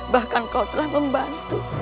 bahkan kau telah membantu